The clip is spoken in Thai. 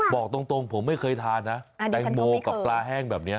บอกตรงผมไม่เคยทานนะแตงโมกับปลาแห้งแบบนี้